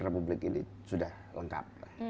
republik ini sudah lengkap